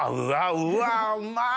うわうまい！